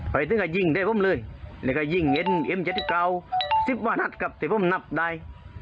ไปถึงก็ยิงได้ผมเลยแล้วก็ยิงเอ็มเอ็มเจ็ดเก่าสิบกว่านัดครับที่ผมนับได้